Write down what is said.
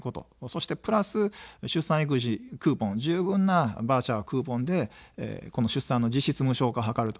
そしてプラス出産育児クーポン、十分なバウチャー、クーポンでこの出産の実質無償化を図る。